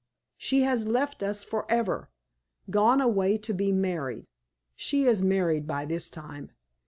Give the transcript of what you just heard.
She has left us forever gone away to be married. She is married by this time.